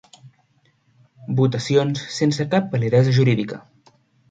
Votacions sense cap validesa jurídica.